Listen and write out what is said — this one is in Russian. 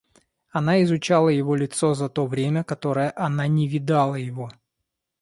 Она изучала его лицо за то время, которое она не видала его.